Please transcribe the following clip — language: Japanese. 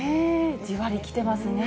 じわりきてますね。